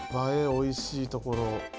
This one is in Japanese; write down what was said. おいしいところ。